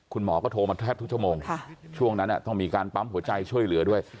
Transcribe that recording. คุณหมอก็โทรมาแทบทุกชั่วโมงช่วงนั้นต้องมีการปั๊มหัวใจช่วยเหลือด้วย